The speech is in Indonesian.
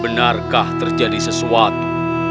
benarkah terjadi sesuatu